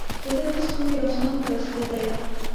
په دغه ستوري آسمان ښایسته دی